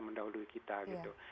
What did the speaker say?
mendahului kita gitu